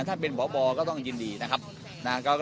เราก็ต้องร่วมงานกับท่านมาย